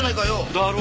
だろ？